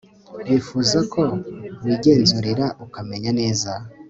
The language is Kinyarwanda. yifuza ko wigenzurira ukamenya neza